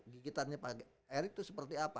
gigitannya pak erik itu seperti apa